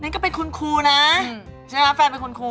ก็เป็นคุณครูนะใช่ไหมคะแฟนเป็นคุณครู